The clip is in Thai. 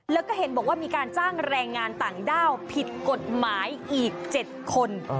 แล้วก็เห็นบอกว่ามีการจ้างแรงงานต่างด้าวผิดกฎหมายอีก๗คน